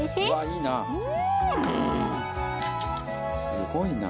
「すごいな」